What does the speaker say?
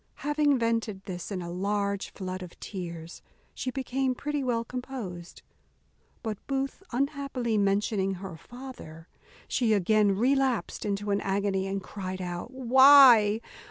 Having vented this in a large flood of tears, she became pretty well composed; but Booth unhappily mentioning her father, she again relapsed into an agony, and cried out, "Why?